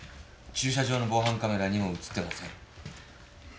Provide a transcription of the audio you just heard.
駐車場の防犯カメラにも映ってません。